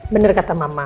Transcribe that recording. bener kata mama